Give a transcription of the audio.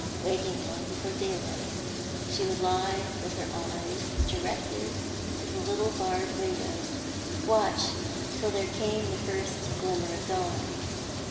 Waking long before daylight, she would lie with her eyes directed to the little barred window, and watch till there came the first glimmer of dawn.